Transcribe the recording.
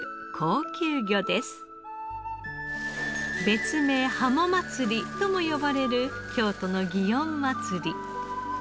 別名ハモ祭りとも呼ばれる京都の祇園祭。